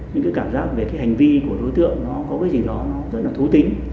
những cái cảm giác về cái hành vi của đối tượng nó có cái gì đó nó rất là thú tính